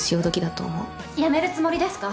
辞めるつもりですか。